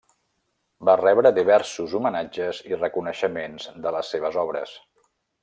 Va rebre diversos homenatges i reconeixements de les seves obres.